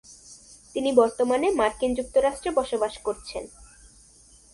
তিনি বর্তমানে মার্কিন যুক্তরাষ্ট্রে বসবাস করছেন।